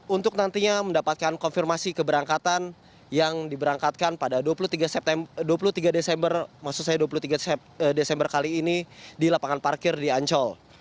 untuk nantinya mendapatkan konfirmasi keberangkatan yang diberangkatkan pada dua puluh tiga desember kali ini di lapangan parkir di ancol